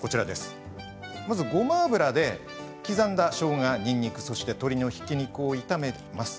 まずごま油で刻んだしょうが、にんにく鶏のひき肉を炒めます。